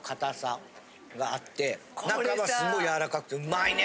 中はすごいやわらかくてうまいね。